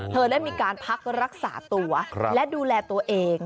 ได้มีการพักรักษาตัวและดูแลตัวเอง